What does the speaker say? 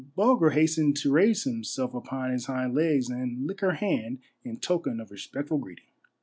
Bulger hastened to raise himself upon his hind legs and lick her hand in token of respectful greeting.